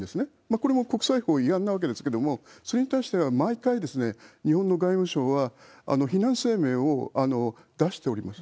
これも国際法違反なわけですけれども、それに対しては毎回、日本の外務省は非難声明を出しております。